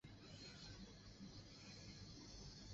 滇越省藤为省藤属泽生藤的一个变种或只是异名。